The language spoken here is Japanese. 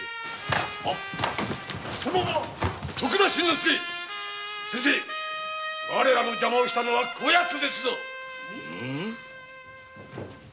徳田新之助先生我らの邪魔をしたのはこやつですぞ。